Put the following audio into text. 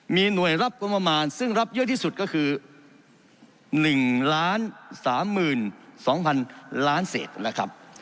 มีหน่วยรับงบประมาณซึ่งรับเยอะที่สุดก็คือ๑๓๒๐๐๐ล้านเศษแล้วครับ